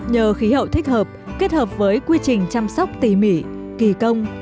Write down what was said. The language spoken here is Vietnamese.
nhờ khí hậu thích hợp kết hợp với quy trình chăm sóc tỉ mỉ kỳ công